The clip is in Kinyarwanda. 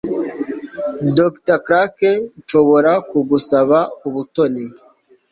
Dr. Clark, nshobora kugusaba ubutoni?